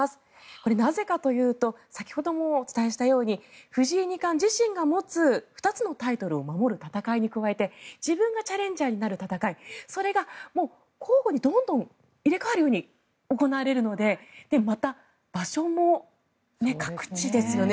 これはなぜかというと先ほどもお伝えしたように藤井二冠自身が持つ２つのタイトルを守る戦いに加えて自分がチャレンジャーになる戦いそれが交互にどんどん入れ替わるように行われるのでまた、場所も各地ですよね。